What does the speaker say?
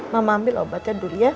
mama ambil obatnya dulu ya